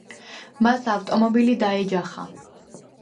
მას ავტომობილი დაეჯახა.